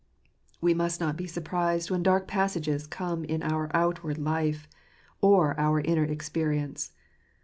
We must not be surprised when dark passages come in our outward life, or our inner experience.